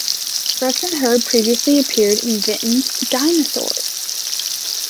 Rex and Herb previously appeared in Vinton's Dinosaurs!